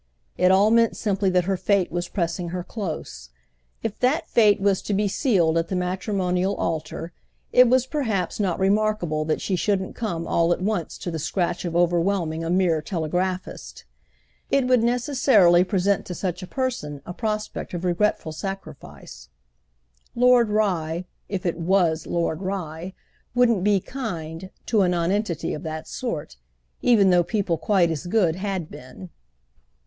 It all meant simply that her fate was pressing her close. If that fate was to be sealed at the matrimonial altar it was perhaps not remarkable that she shouldn't come all at once to the scratch of overwhelming a mere telegraphist. It would necessarily present to such a person a prospect of regretful sacrifice. Lord Rye—if it was Lord Rye—wouldn't be "kind" to a nonentity of that sort, even though people quite as good had been.